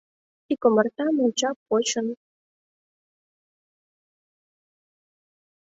Ик омартам онча почын